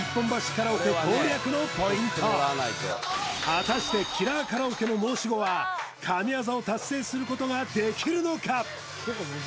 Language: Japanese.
カラオケ攻略のポイント果たしてキラーカラオケの申し子は神業を達成することができるのか？